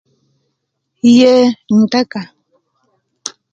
Iyee ntaka